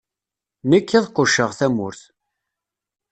Nekk, ad qucceɣ tamurt.